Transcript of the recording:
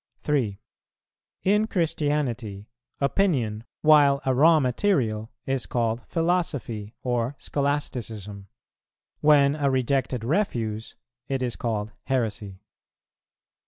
3. In Christianity, opinion, while a raw material, is called philosophy or scholasticism; when a rejected refuse, it is called heresy.